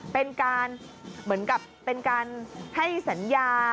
เป็นการเหมือนกับเป็นการให้สัญญา